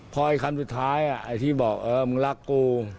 พอไอ้คำสุดท้ายไอ้ที่บอกเออมึงรักกู